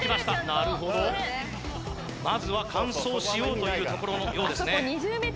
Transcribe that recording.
なるほどまずは完走しようというところのようですね